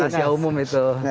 rahasia umum itu